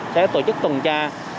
sẽ tổ chức tuần tra